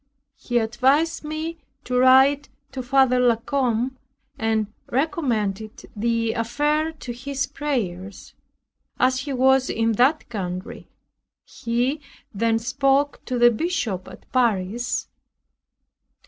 He advised me to write to Father La Combe, and recommend the affair to his prayers, as he was in that country. He then spoke to the Bishop at Paris.